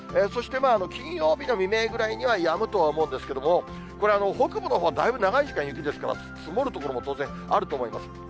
そして金曜日の未明ぐらいにはやむとは思うんですけれども、これは北部のほうはだいぶ長い時間雪ですから、積もる所も当然、あると思います。